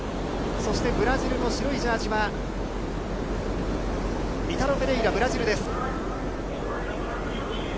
そして、ブラジルの白いジャージは、イタロ・フェレイラ、ブラジルです。